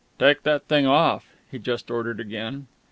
"Take that thing off," he just ordered again.